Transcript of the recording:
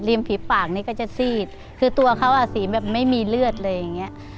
ริมผิบปากนี้ก็จะซีดคือตัวเขาอาศีลแบบไม่มีเลือดเลย